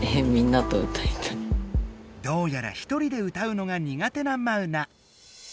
どうやらひとりで歌うのが苦手なマウナ。